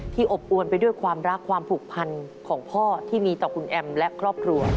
อบอวนไปด้วยความรักความผูกพันของพ่อที่มีต่อคุณแอมและครอบครัว